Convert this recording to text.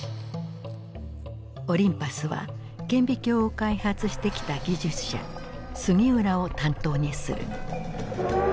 オリンパスは顕微鏡を開発してきた技術者杉浦を担当にする。